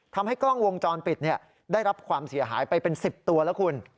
ทำให้กล้องวงจรปิดได้รับความเสียหายไปเป็น๑๐ตัวแล้วคุณ